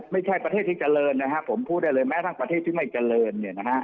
ไม่ใช่ประเทศที่เจริญนะฮะผมพูดได้เลยแม้ทางประเทศที่ไม่เจริญเนี่ยนะฮะ